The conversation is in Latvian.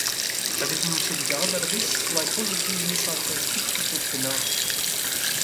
Tagad mums ir jādara viss, lai pozitīvi iesāktais tiktu turpināts.